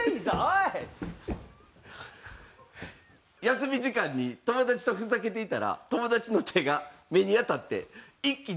休み時間に友達とふざけていたら友達の手が目に当たって一気にテンション下がった。